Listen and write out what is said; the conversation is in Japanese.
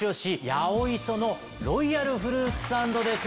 ヤオイソのロイヤルフルーツサンドです。